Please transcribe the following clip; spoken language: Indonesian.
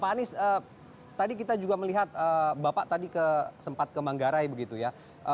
pak anies tadi kita juga melihat bapak tadi sempat ke manggarai begitu ya